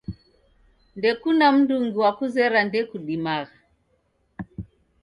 Ndekuna mndungi wakuzera ndekudimagha